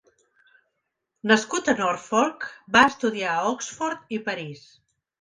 Nascut a Norfolk, va estudiar a Oxford i París.